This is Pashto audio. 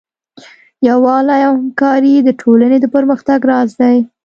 یووالی او همکاري د ټولنې د پرمختګ راز دی.